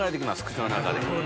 口の中で。